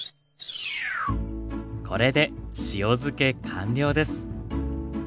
これで塩漬け完了です。